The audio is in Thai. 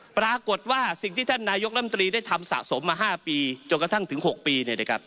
ปรากฏว่าสิ่งที่ท่านนายกรรมตรีได้ทำสะสมมา๕ปีจนกระทั่งถึง๖ปี